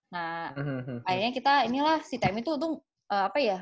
nah akhirnya kita inilah si timnya tuh apa ya